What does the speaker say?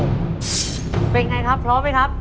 เป็นไงครับพร้อมไหมครับ